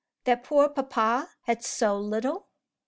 that poor papa had so little."